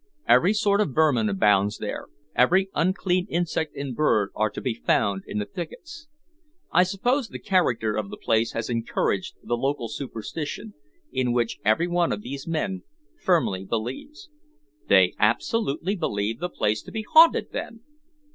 Every sort of vermin abounds there, every unclean insect and bird are to be found in the thickets. I suppose the character of the place has encouraged the local superstition in which every one of those men firmly believes." "They absolutely believe the place to be haunted, then?"